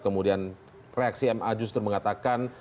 kemudian reaksi ma justru mengatakan